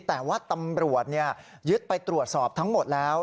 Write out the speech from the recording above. แต่ว่าตำรวจยึดไปตรวจสอบทั้งหมดแล้ว